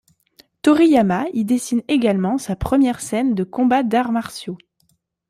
Toriyama y dessine également sa première scène de combat d'arts martiaux.